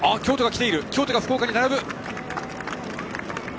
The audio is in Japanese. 京都が福岡に並ぶ。